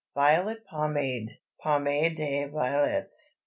VIOLET POMADE (POMADE DES VIOLETTES).